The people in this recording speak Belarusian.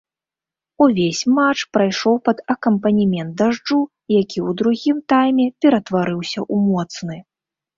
Увесь матч прайшоў пад акампанемент дажджу, які ў другім тайме ператварыўся ў моцны.